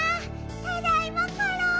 ただいまコロ！